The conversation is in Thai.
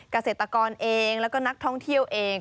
เกษตรกรเองแล้วก็นักท่องเที่ยวเอง